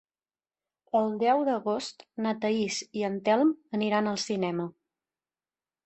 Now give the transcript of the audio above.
El deu d'agost na Thaís i en Telm aniran al cinema.